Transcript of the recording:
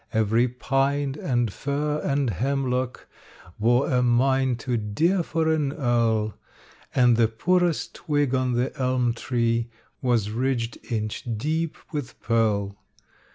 Every pine and fir and hemlock Wore ermine too dear for an earl, And the poorest twig on the elm tree Was ridged inch deep with pearl.